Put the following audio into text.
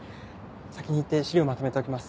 先に行って資料まとめておきます。